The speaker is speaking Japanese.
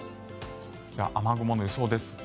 では、雨雲の予想です。